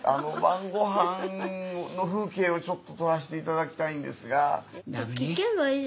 晩ご飯の風景をちょっと撮らせていただきたいんですが。